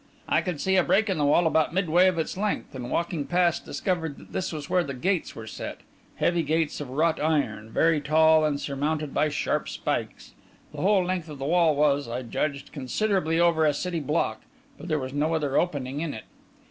I could see a break in the wall, about midway of its length, and, walking past, discovered that this was where the gates were set heavy gates of wrought iron, very tall, and surmounted by sharp spikes. The whole length of the wall was, I judged, considerably over a city block, but there was no other opening in it.